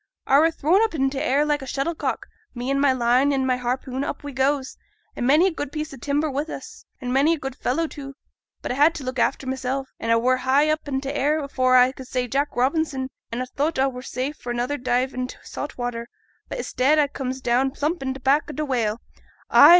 I were thrown up in t' air like a shuttlecock, me an' my line an' my harpoon up we goes, an' many a good piece o' timber wi' us, an' many a good fellow too; but a had t' look after mysel', an a were up high i' t' air, afore I could say Jack Robinson, an' a thowt a were safe for another dive int' saut water; but i'stead a comes down plump on t' back o' t' whale. Ay!